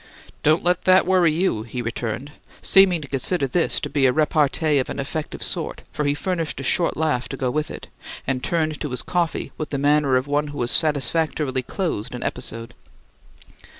"Don't let that worry you!" he returned, seeming to consider this to be repartee of an effective sort; for he furnished a short laugh to go with it, and turned to his coffee with the manner of one who has satisfactorily closed an episode.